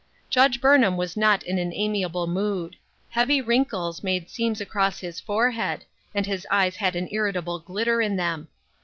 Judge Burnham was not in an amiable mood. Heavy wrinkles made seams across his forehead, and his eyes had an irritable glitter in them.